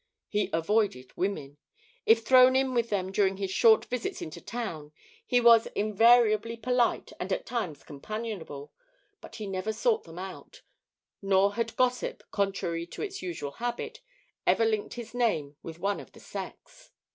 He avoided women. If thrown in with them during his short visits into town, he was invariably polite and at times companionable, but he never sought them out, nor had gossip, contrary to its usual habit, ever linked his name with one of the sex.